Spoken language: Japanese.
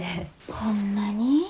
ホンマに？